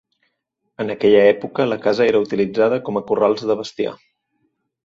En aquella època la casa era utilitzada com a corrals de bestiar.